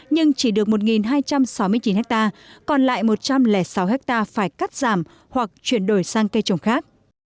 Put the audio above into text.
nhưng chỉ được một hai trăm sáu mươi chín ha còn lại một trăm linh sáu ha phải cắt giảm hoặc chuyển đổi sang cây trồng khác